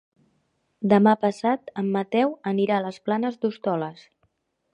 Demà passat en Mateu anirà a les Planes d'Hostoles.